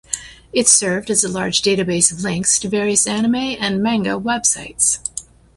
It served as a large database of links to various anime and manga websites.